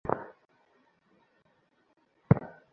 Ladies, gentleman, আর নতুন বন্ধুরা।